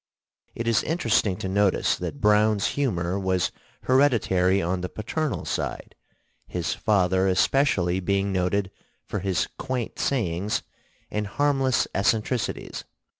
It is interesting to notice that Browne's humor was hereditary on the paternal side, his father especially being noted for his quaint sayings and harmless eccentricities.